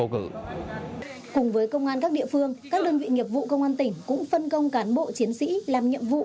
cùng với công an các địa phương các đơn vị nghiệp vụ công an tỉnh cũng phân công cán bộ chiến sĩ làm nhiệm vụ